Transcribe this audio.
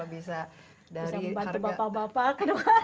bisa membantu bapak bapak